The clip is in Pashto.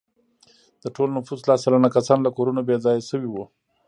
د ټول نفوس لس سلنه کسان له کورونو بې ځایه شوي وو.